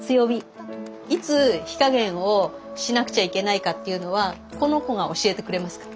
いつ火加減をしなくちゃいけないかっていうのはこの子が教えてくれますから。